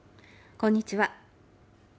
こんにちは。